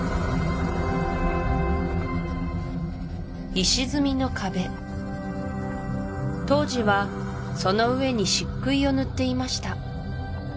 石積みの壁当時はその上にしっくいを塗っていました